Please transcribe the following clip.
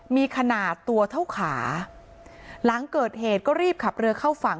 มีขนาดตัวเท่าขาหลังเกิดเหตุก็รีบขับเรือเข้าฝั่ง